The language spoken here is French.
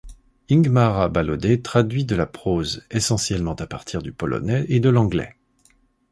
Ingmāra Balode traduit de la prose, essentiellement à partir du polonais et de l'anglais.